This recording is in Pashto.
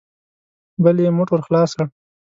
بل يې موټ ور خلاص کړ.